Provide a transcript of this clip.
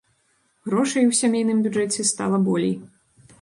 Грошай у сямейным бюджэце стала болей.